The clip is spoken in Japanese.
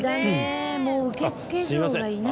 すいません。